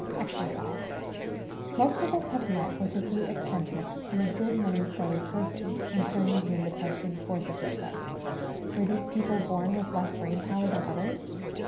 Exercise. Most of us have met with a few eccentric and a good many silly persons, concerning whom the question forces itself, Were these people born with less brain power than others?